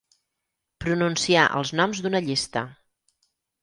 Pronunciar els noms d'una llista.